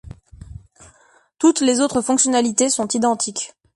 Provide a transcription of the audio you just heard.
Toutes les autres fonctionnalités sont identiques.